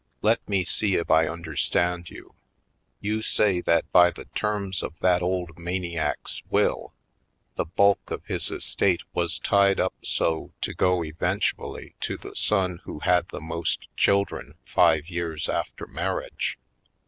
"Let me see if I un derstand you? You say that by the terms of that old maniac's will the bulk of his estate was tied up so to go eventually to the Sable Plots 217 son who had the most children five years after marriage.